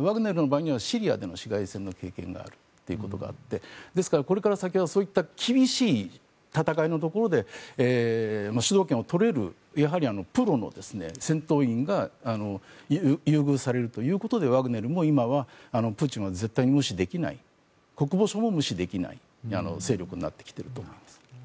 ワグネルの場合にはシリアでの市街戦の経験があるということがあってですから、これから先は厳しい戦いのところで主導権を取れるプロの戦闘員が優遇されるということでワグネルも今はプーチンは絶対に無視できない国防省も無視できない勢力になってきていると思います。